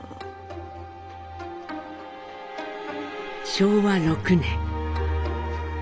昭和６年。